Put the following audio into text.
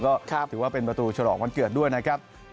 ก็ถือว่าเป็นประตูฉลองวันเกิดด้วยนะครับ